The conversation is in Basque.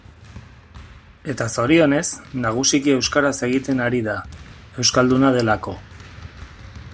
Eta zorionez, nagusiki euskaraz egiten ari da, euskalduna delako.